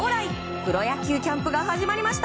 プロ野球キャンプが始まりました。